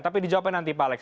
tapi dijawab nanti pak ales